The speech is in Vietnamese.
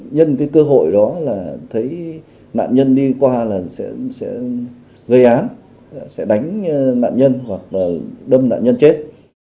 nhân cái cơ hội đó là thấy nạn nhân đi qua là sẽ gây án sẽ đánh nạn nhân hoặc là đâm nạn nhân chết